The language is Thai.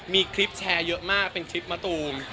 มีคลิปแชร์เยอะมากเป็นคลิปมะตูม